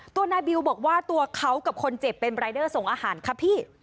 ตัวนายบิวบอกว่าตัวเขากับคนเจ็บเป็นรายเดอร์ส่งอาหารครับพี่